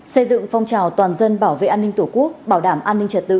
xây dựng phong trào toàn dân bảo vệ an ninh tổ quốc bảo đảm an ninh trật tự